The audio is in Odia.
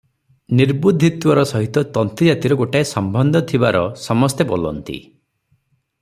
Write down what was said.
ନିର୍ବୁଦ୍ଧିତ୍ୱର ସହିତ ତନ୍ତୀଜାତିର ଗୋଟାଏ ସମ୍ବନ୍ଧ ଥିବାର ସମସ୍ତେ ବୋଲନ୍ତି ।